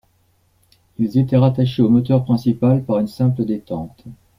Ils étaient rattachés au moteur principal par une simple détente.